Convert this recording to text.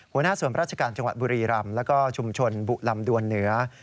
หัวหน้าส่วนราชการจังหวัดบุรีรำแล้วก็ชุมชนบุลำดวนเหนือ